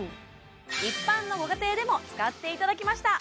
一般のご家庭でも使っていただきました